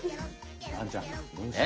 まるちゃんどうした？